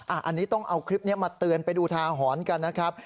อันนี้ต้องเอาคลิปนี้มาเตือนไปดูทาหรณ์กันนะครับ